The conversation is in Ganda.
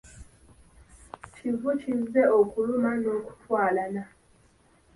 Kivu kizze okuluma n'okutwalana.